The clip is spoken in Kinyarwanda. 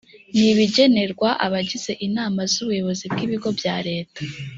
ni ibigenerwa abagize inama z’ubuyobozi bw’ibigo bya leta